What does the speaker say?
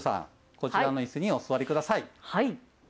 こちらのいすにお座りください。